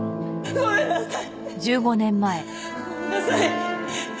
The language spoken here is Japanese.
ごめんなさい。